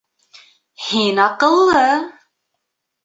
Һин аҡыллы.